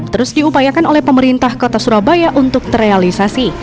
terus diupayakan oleh pemerintah kota surabaya untuk terrealisasi